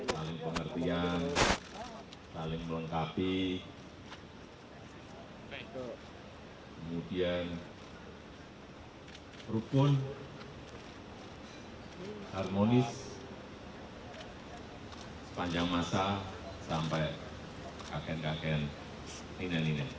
saling pengertian saling melengkapi kemudian rupun harmonis sepanjang masa sampai kakin kakin